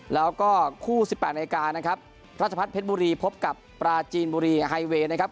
แล้วก็คู่๑๘นาฬิกานะครับราชพัฒนเพชรบุรีพบกับปราจีนบุรีไฮเวย์นะครับ